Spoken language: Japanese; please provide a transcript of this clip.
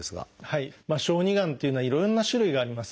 小児がんというのはいろんな種類があります。